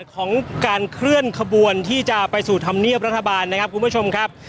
ของการเคลื่อนขบวนที่จะไปสู่ธรรมเนียบรัฐบาลนะครับคุณผู้ชมครับ